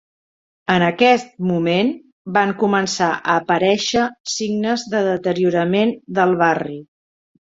En aquest moment van començar a aparèixer signes de deteriorament del barri.